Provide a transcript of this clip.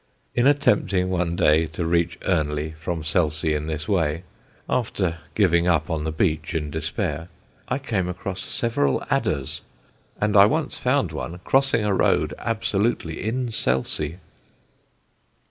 In attempting one day to reach Earnley from Selsey in this way (after giving up the beach in despair), I came upon several adders, and I once found one crossing a road absolutely in Selsey.